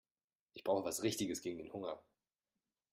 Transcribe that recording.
Ich brauche was Richtiges gegen den Hunger.